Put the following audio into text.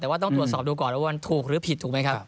แต่ว่าต้องตรวจสอบดูก่อนว่ามันถูกหรือผิดถูกไหมครับ